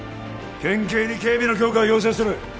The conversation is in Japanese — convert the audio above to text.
県警に警備の強化を要請する！